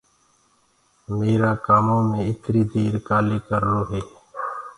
ميرآ ڪآمو مي اِتري دير ڪآلي ڪررو هي۔